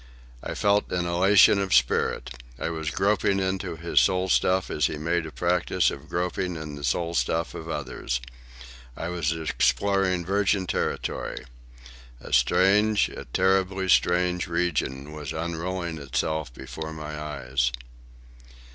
I felt an elation of spirit. I was groping into his soul stuff as he made a practice of groping in the soul stuff of others. I was exploring virgin territory. A strange, a terribly strange, region was unrolling itself before my eyes.